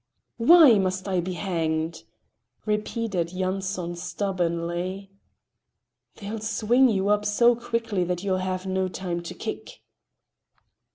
"Why must I be hanged?" repeated Yanson stubbornly. "They'll swing you up so quickly that you'll have no time to kick."